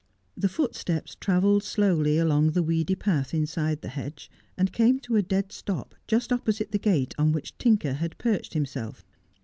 The footsteps travelled slowly along the weedy path inside the hedge, and came to a dead stop just opposite the gate on which Tinker had perched himself.